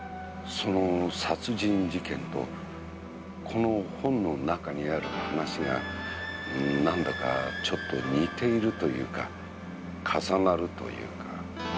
その殺人事件とこの本の中にある話がなんだかちょっと似ているというか重なるというか。